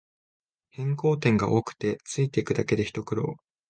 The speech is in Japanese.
変更点が多くてついていくだけでひと苦労